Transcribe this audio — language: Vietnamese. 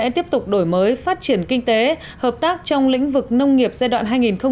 tiếp tục đổi mới phát triển kinh tế hợp tác trong lĩnh vực nông nghiệp giai đoạn hai nghìn một mươi sáu hai nghìn hai mươi